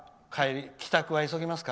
帰宅は急ぎますか？